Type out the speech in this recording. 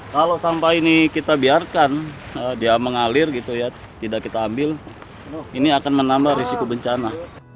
kalau sampah ini kita biarkan dia mengalir gitu ya tidak kita ambil ini akan menambah risiko bencana